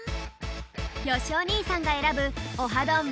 よしお兄さんが選ぶオハどん！